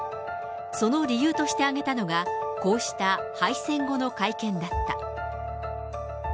その理由として挙げたのが、こうした敗戦後の会見だった。